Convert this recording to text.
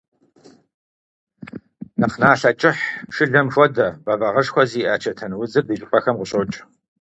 Нэхъ налъэ кӀыхь, шылэм хуэдэ, бэвагъышхуэ зиӀэ чэтэнудзыр ди щӀыпӀэхэм къыщокӀ.